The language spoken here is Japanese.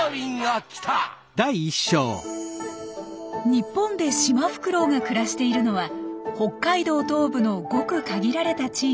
日本でシマフクロウが暮らしているのは北海道東部のごく限られた地域だけ。